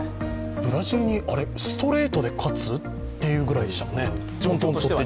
ブラジルにストレートで勝つっていうぐらいでしたもんね。